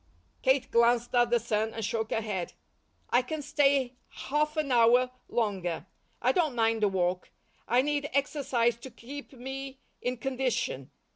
Kate glanced at the sun and shook her head. "I can stay half an hour longer. I don't mind the walk. I need exercise to keep me in condition.